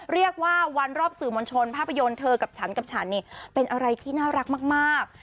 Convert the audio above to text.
เรียกว่าวันรอบสื่อมวลชนภาพยนตร์เธอกับฉันกับฉันเนี่ยเป็นอะไรที่น่ารักมาก